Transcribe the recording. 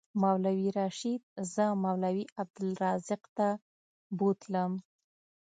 مولوي رشید زه مولوي عبدالرزاق ته بوتلم.